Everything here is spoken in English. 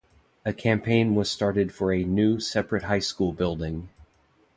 A campaign was started for a new separate high school building.